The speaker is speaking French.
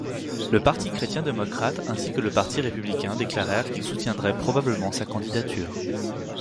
Le Parti chrétien-démocrate ainsi que le Parti républicain déclarèrent qu'ils soutiendraient probablement sa candidature.